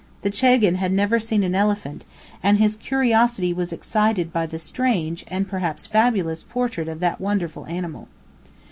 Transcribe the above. The chagan had never seen an elephant; and his curiosity was excited by the strange, and perhaps fabulous, portrait of that wonderful animal.